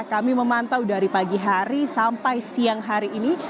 kami memantau dari pagi hari sampai siang hari ini